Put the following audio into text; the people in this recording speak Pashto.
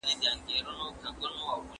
زه کولای سم سينه سپين وکړم!؟